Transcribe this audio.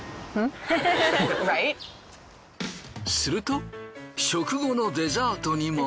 すると食後のデザートにも。